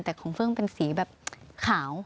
แต่คงเป็นสีแบบขาว